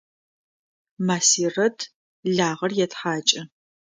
Масирэт лагъэр етхьакӏы.